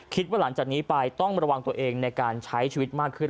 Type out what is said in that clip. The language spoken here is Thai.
หลังจากนี้ไปต้องระวังตัวเองในการใช้ชีวิตมากขึ้น